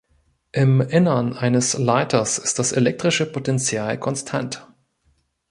Im Innern eines Leiters ist das elektrische Potential konstant.